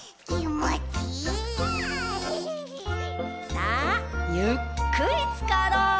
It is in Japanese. さあゆっくりつかろう！